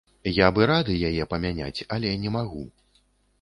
Я б і рады яе памяняць, але не магу!